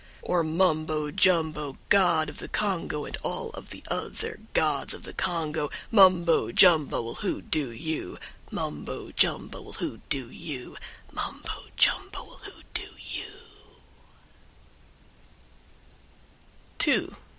# Or Mumbo Jumbo, God of the Congo, And all of the other Gods of the Congo, Mumbo Jumbo will hoo doo you, Mumbo Jumbo will hoo doo you, Mumbo Jumbo will hoo doo you."